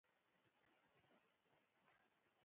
اروا ښاد حبیبي صاحب په پښتو ژبه ډېر ګټور کتابونه لیکلي دي.